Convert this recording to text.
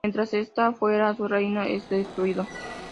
Mientras está fuera, su reino es destruido.